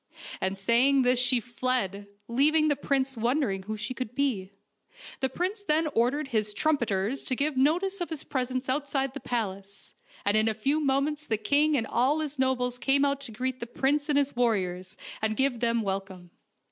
And saying this she fled, leaving the prince wondering who she could be. The prince then ordered his trumpeters to give notice of his pres ence outside the palace, and in a few moments the king and all his nobles came out to greet the prince and his warriors, and give them welcome.